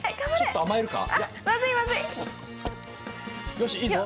よしいいぞ。